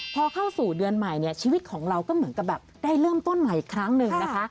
พอเข้าสู่เดือนใหม่เนี่ยชีวิตของเราก็เหมือนกับแบบได้เริ่มต้นใหม่อีกครั้งหนึ่งนะคะ